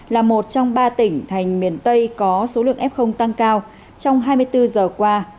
là một trong ba tỉnh thành miền tây có số lượng f tăng cao trong hai mươi bốn giờ qua